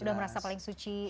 sudah merasa paling suci gitu